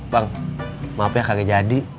bang maaf ya kakek jadi